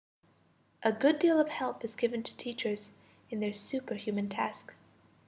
A good deal of help is given to teachers in their superhuman task.